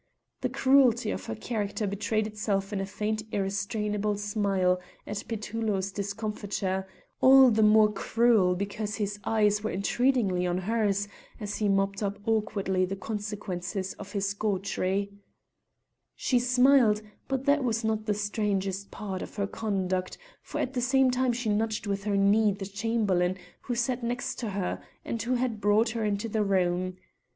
The cruelty of her character betrayed itself in a faint irrestrainable smile at Petullo's discomfiture, all the more cruel because his eyes were entreatingly on hers as he mopped up awkwardly the consequences of his gaucherie. She smiled, but that was not the strangest part of her conduct, for at the same time she nudged with her knee the Chamberlain who sat next to her, and who had brought her into the room.